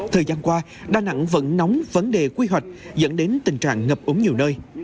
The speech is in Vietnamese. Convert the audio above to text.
thời gian qua đà nẵng vẫn nóng vấn đề quy hoạch dẫn đến tình trạng ngập ống nhiều nơi